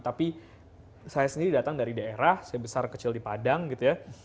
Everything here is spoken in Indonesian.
tapi saya sendiri datang dari daerah saya besar kecil di padang gitu ya